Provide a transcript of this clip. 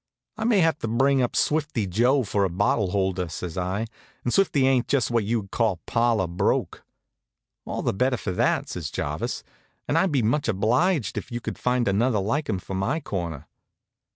"I may have to bring up Swifty Joe for a bottle holder," says I, "an' Swifty ain't just what you'd call parlor broke." "All the better for that," says Jarvis. "And I'd be much obliged if you'd find another like him for my corner."